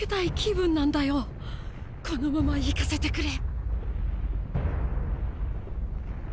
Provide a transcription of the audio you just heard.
このまま行かせてくれ。